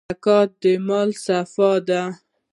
زکات د مال صفا ده.